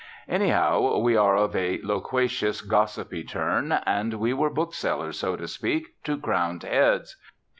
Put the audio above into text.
Anyhow, we are of a loquacious, gossipy turn; and we were booksellers, so to speak, to crowned heads.